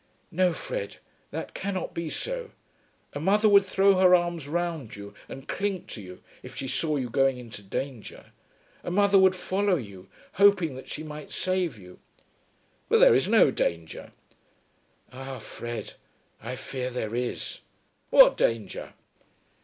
"No, Fred; that cannot be so. A mother would throw her arms round you and cling to you if she saw you going into danger. A mother would follow you, hoping that she might save you." "But there is no danger." "Ah, Fred, I fear there is." "What danger?"